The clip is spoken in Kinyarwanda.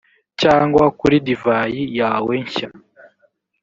cyangwa kuri divayi yawe nshya,